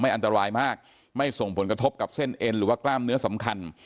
อันตรายมากไม่ส่งผลกระทบกับเส้นเอ็นหรือว่ากล้ามเนื้อสำคัญ